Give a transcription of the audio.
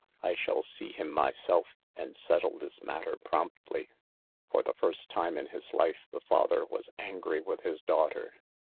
I shall see him myself and settle this matter promptly.'' For the first time in his life the father was angry with his daughter.